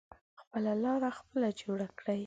خپله لاره خپله جوړه کړی.